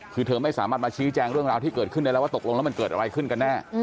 คือเธอไม่สามารถมาชี้แจงเรื่องราวที่เกิดขึ้นได้แล้วว่าตกลงแล้วมันเกิดอะไรขึ้นกันแน่